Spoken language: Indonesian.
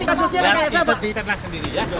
untuk ikut di cernak sendiri ya